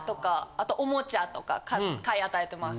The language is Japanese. あとおもちゃとか買い与えてます。